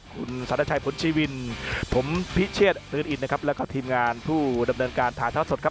คุณสัตว์ชายผลชีวินผมพิเชศเรือนอินนะครับ